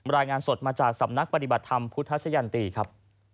รายงานสดมาจากสำนักปฏิบัติธรรมพุทธชะยันตีครับ